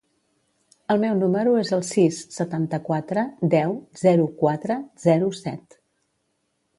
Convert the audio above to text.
El meu número es el sis, setanta-quatre, deu, zero, quatre, zero, set.